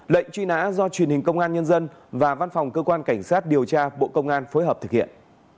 lệnh truy nã do truyền hình công an nhân dân và văn phòng cơ quan cảnh sát điều tra bộ công an phối hợp thực hiện